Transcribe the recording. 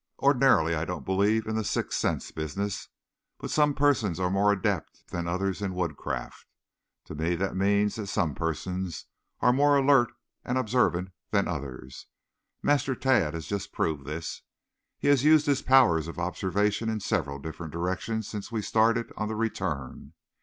"Ordinarily I don't believe in the sixth sense business, but some persons are more adept than others in woodcraft. To me that means that some persons are more alert and observant than others. Master Tad has just proved this. He has used his powers of observation in several different directions since we started on the return.